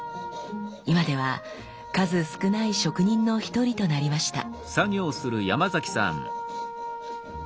今では数少ない職人の一人となりました。